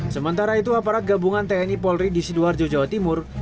sementara itu aparat gabungan tni polri di sidoarjo jawa timur